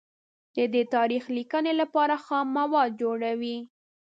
د تاریخ لیکنې لپاره خام مواد جوړوي.